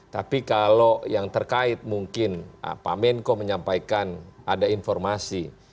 tapi kalau yang terkait mungkin pak menko menyampaikan ada informasi